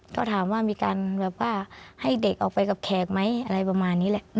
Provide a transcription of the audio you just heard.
ก็ถามว่ามีการแบบว่าให้เด็กออกไปกับแขกไหมอะไรประมาณนี้แหละ